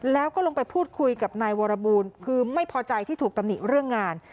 แล้วก็ลงไปพูดคุยกับนายวรบูลคือไม่พอใจที่ถูกตำหนิเรื่องงาน